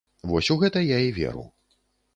Вось у гэта я і веру.